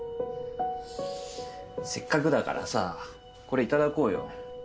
せっかくだからさこれ頂こうよ。